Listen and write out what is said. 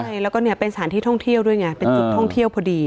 ใช่แล้วก็เนี่ยเป็นสถานที่ท่องเที่ยวด้วยไงเป็นจุดท่องเที่ยวพอดี